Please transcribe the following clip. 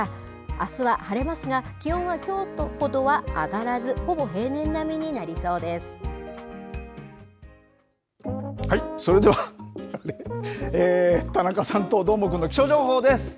あすは晴れますが、気温はきょうほどは上がらず、ほぼ平年並みにそれでは、田中さんとどーもくんの気象情報です。